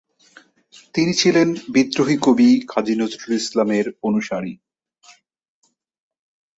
তিনি ছিলেন বিদ্রোহী কবি কাজী নজরুল ইসলামের অনুসারী।